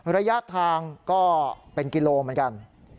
ระยะทางก็เป็นกิโลเหมือนกัน